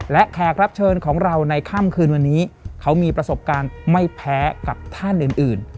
และแขกรับเชิญของเราในค่ำคืนวันนี้เขามีประสบการณ์ไม่แพ้กับท่านอื่น